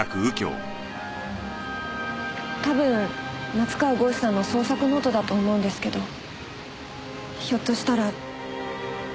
多分夏河郷士さんの創作ノートだと思うんですけどひょっとしたら。